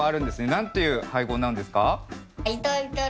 何という俳号なんですか？